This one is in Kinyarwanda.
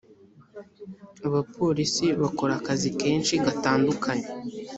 abapolisi bakora akazi kenshi gatandukanye